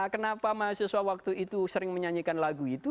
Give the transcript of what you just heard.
kenapa mahasiswa waktu itu sering menyanyikan lagu itu